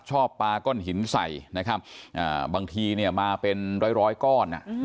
ชอบปาก้อนหินใส่นะครับบางทีเนี่ยมาเป็นร้อยก้อน